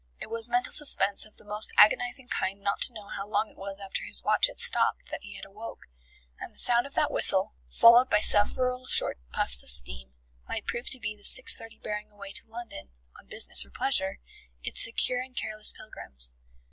It was mental suspense of the most agonizing kind not to know how long it was after his watch had stopped that he had awoke, and the sound of that whistle, followed by several short puffs of steam, might prove to be the six thirty bearing away to London, on business or pleasure, its secure and careless pilgrims.